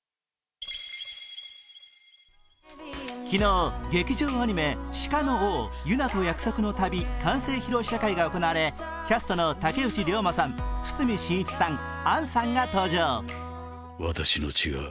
昨日劇場アニメ「鹿の王ユナと約束の旅」完成披露試写会が行われキャストの竹内涼真さん、堤真一さん、杏さんが登場。